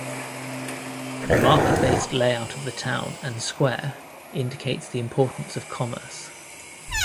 The market based layout of the town and square indicates the importance of commerce.